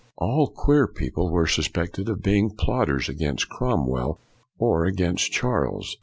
All queer people were suspected of being plotters against Cromwell or against Charles.